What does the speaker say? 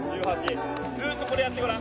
ずーっとこれやってごらん。